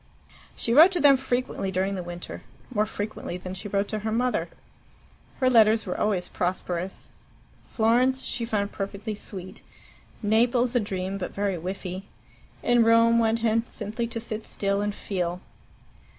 She wrote to them frequently during the winter more frequently than she wrote to her mother. Her letters were always prosperous. Florence she found perfectly sweet, Naples a dream, but very whiffy. In Rome one had simply to sit still and feel.